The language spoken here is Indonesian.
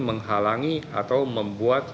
menghalangi atau membuat